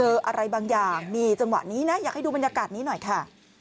อะไรบางอย่างมีจังหวะนี้นะอยากให้ดูบรรยากาศนี้หน่อยค่ะ